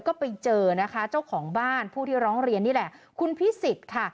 ก็ไปเจอนะคะเจ้าของบ้านผู้ที่ร้องเรียนนี่แหละคุณพิสิทธิ์ค่ะ